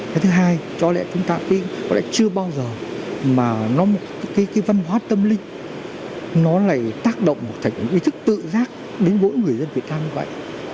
cái thứ hai có lẽ chúng ta có lẽ chưa bao giờ mà cái văn hóa tâm linh nó lại tác động thành một ý thức tự giác đến mỗi người dân việt nam như vậy